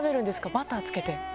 バターつけて？